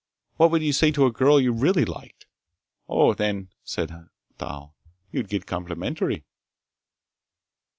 What would you say to a girl you really liked?" "Oh, then," said Thal, "you'd get complimentary!"